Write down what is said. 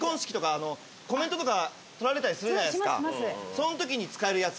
そんときに使えるやつ。